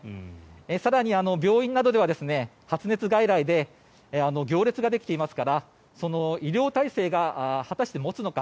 更に、病院などでは発熱外来で行列ができていますから医療体制が果たして持つのか。